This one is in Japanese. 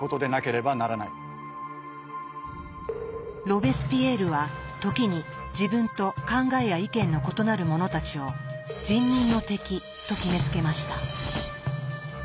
ロベスピエールは時に自分と考えや意見の異なる者たちを「人民の敵」と決めつけました。